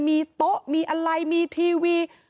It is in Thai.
มีโต๊ะมีอะไรมีทีวี